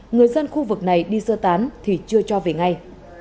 người dân khu vực này đi sơ tán thì chưa cho về ngay